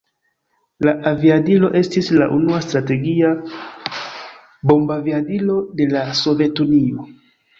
La aviadilo estis la unua strategia bombaviadilo de la Sovetunio.